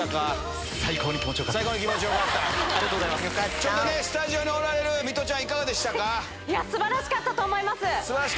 ちょっとスタジオにおられる水卜ちゃん、いかがでしたか。